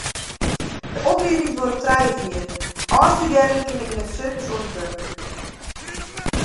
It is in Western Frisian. De oplieding duorret trije jier, ôfstudearren kinne yn it sirkus oan it wurk.